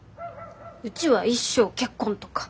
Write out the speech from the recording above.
うちは一生結婚とか。